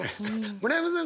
村山さん